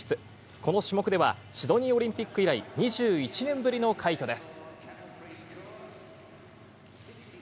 この種目ではシドニーオリンピック以来、２１年ぶりの快挙です。